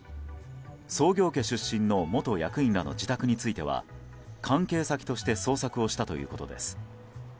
創業家出身の元役員らの自宅については関係先として捜索をしたということです。